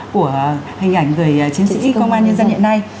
của hình ảnh người chiến sĩ công an nhân dân hiện nay